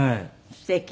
すてき。